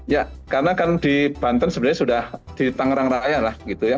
ya karena kan di banten sebenarnya sudah di tangerang raya lah gitu ya